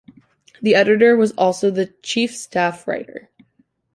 The editor was also the chief staff writer.